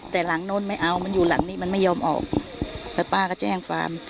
แต่หลังโน้นไม่เอามันอยู่หลังนี้มันไม่ยอมออกแล้วป้าก็แจ้งความ